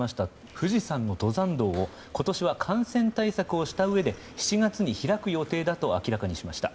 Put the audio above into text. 富士山の登山道を今年は感染対策をしたうえで７月に開く予定だと明らかにしました。